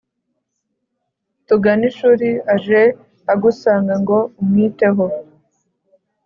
tuganishuri aje agusanga ngo umwiteho